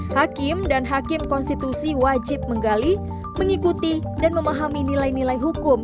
hakim dan hakim konstitusi wajib menggali mengikuti dan memahami nilai nilai hukum